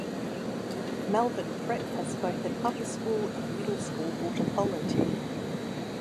Malvern Prep has both an Upper School and a Middle School water polo team.